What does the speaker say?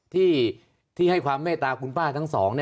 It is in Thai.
ที่ให้ความเมตตาคุณป้าทั้งสอง